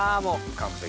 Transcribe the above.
完璧。